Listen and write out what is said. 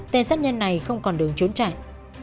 tên sát nhân này không còn đường trốn chạy